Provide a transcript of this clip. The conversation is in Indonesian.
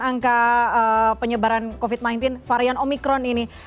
menangka penyebaran covid sembilan belas varian omicron ini